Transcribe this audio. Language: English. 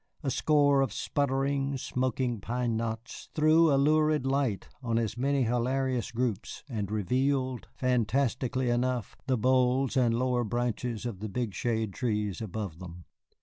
A score of sputtering, smoking pine knots threw a lurid light on as many hilarious groups, and revealed, fantastically enough, the boles and lower branches of the big shade trees above them.